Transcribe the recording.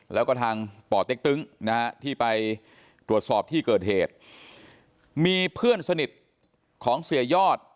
แล้วก็ทางป่อเต็กตึ้งนะฮะที่ไปตรวจสอบที่เกิดเหตุมีเพื่อนสนิทของเสียยอด